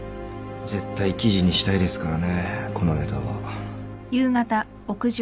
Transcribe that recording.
絶対記事にしたいですからねこのネタは。